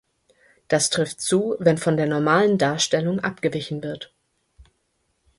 Das trifft zu, wenn von der normalen Darstellung abgewichen wird.